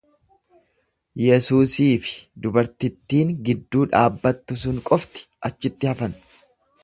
Yesuusii fi dubartittiin gidduu dhaabbattu sun qofti achitti hafan.